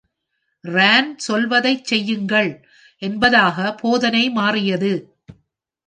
Ron சொல்வதைச் செய்யுங்கள்! என்பதாக போதனை மாறியது